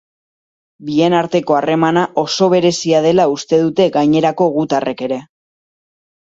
Bien arteko harremana oso berezia dela uste dute gainerako gutarrek ere.